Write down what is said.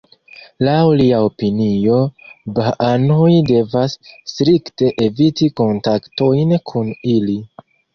Laŭ lia opinio, bahaanoj devas strikte eviti kontaktojn kun ili.